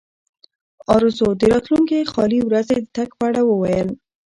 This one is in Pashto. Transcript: ارزو د راتلونکې خالي ورځې د تګ په اړه وویل.